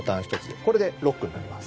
これでロックになります。